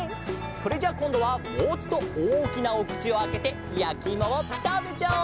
それじゃあこんどはもっとおおきなおくちをあけてやきいもをたべちゃおう！